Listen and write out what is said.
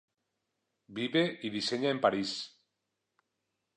Vive y diseña en Paris.